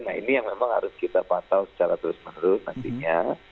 nah ini yang memang harus kita pantau secara terus menerus nantinya